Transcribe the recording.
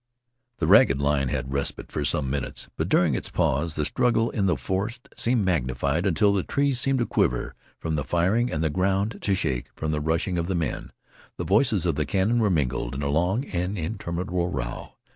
The ragged line had respite for some minutes, but during its pause the struggle in the forest became magnified until the trees seemed to quiver from the firing and the ground to shake from the rushing of the men. The voices of the cannon were mingled in a long and interminable row.